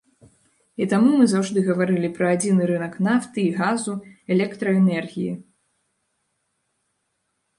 І таму мы заўжды гаварылі пра адзіны рынак нафты і газу, электраэнергіі.